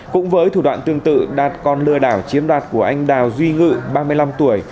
cũng với thủ đoạn tương tự đạt còn lừa đảo chiếm đoạt của anh đào duy ngự ba mươi năm tuổi